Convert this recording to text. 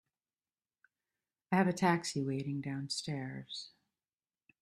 I have a taxi waiting downstairs.